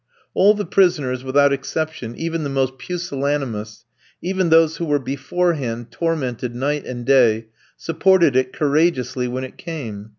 All the prisoners without exception, even the most pusillanimous, even those who were beforehand tormented night and day, supported it courageously when it came.